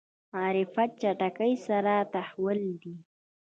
معرفت چټکۍ سره تحول دی.